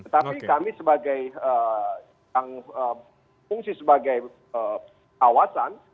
tapi kami sebagai yang fungsi sebagai kawasan